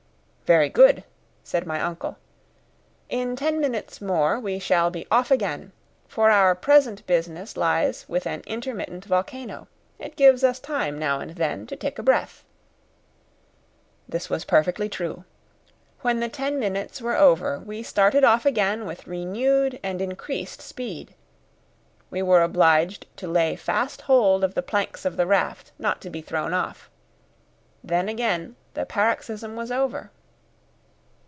"Very good," said my uncle; "in ten minutes more we shall be off again, for our present business lies with an intermittent volcano. It gives us time now and then to take breath." This was perfectly true. When the ten minutes were over we started off again with renewed and increased speed. We were obliged to lay fast hold of the planks of the raft, not to be thrown off. Then again the paroxysm was over.